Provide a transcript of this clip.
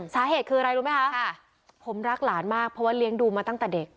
สาเหตุคืออะไรรู้ไหมคะผมรักหลานมากเพราะว่าเลี้ยงดูมาตั้งแต่เด็ก